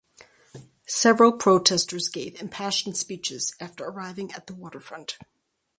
Several protesters gave impassioned speeches after arriving at the waterfront.